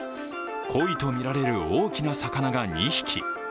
コイとみられる大きな魚が２匹。